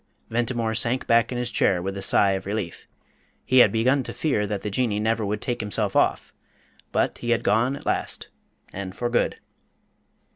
Ventimore sank back in his chair with a sigh of relief. He had begun to fear that the Jinnee never would take himself off, but he had gone at last and for good.